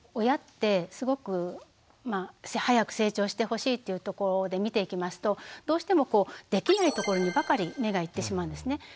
親ってすごく早く成長してほしいっていうところで見ていきますとどうしてもこうできないところにばかり目がいってしまうんですね。